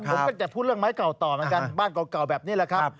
ผมก็จะพูดเรื่องไม้เก่าต่อเหมือนกันบ้านเก่าแบบนี้แหละครับ